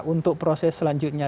untuk proses selanjutnya